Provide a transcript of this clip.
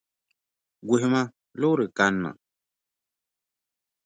Guhima, loori kanna.